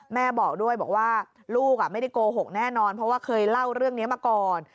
แม่บอกด้วยบอกว่าลูกไม่ได้โกหกแน่นอนเพราะว่าเคยเล่าเรื่องนี้มาก่อน